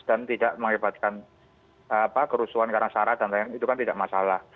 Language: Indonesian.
dan tidak mengakibatkan kerusuhan karang syarat dan lain lain itu kan tidak masalah